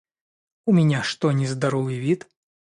У меня что - нездоровый вид?